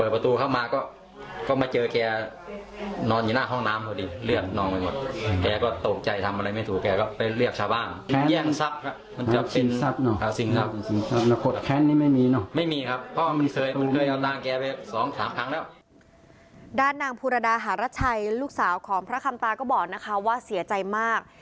ภูระดาหารัชชัยลูกสาวของพระคำตาก็บอกว่าเสียใจมาก